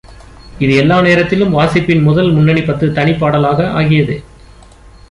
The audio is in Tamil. இது எல்லா நேரத்திலும் வாசிப்பின் முதல் முன்னணி பத்து தனிப்பாடலாக ஆகியது.